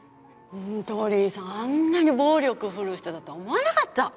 鳥居さんあんなに暴力振るう人だとは思わなかった！